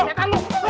ikat dia baru